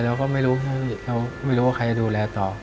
เราก็ไม่รู้เราไม่รู้ว่าใครจะดูแลต่อ